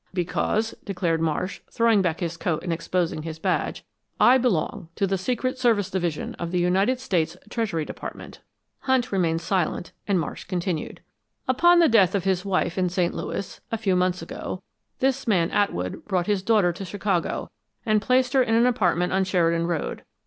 "Because," declared Marsh, throwing back his coat and exposing his badge, "I belong to the Secret Service Division of the United States Treasury Department." Hunt remained silent and Marsh continued. "Upon the death of his wife in St. Louis, a few months ago, this man Atwood brought his daughter to Chicago and placed her in an apartment on Sheridan Road.